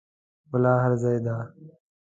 ښکلا هر ځای ده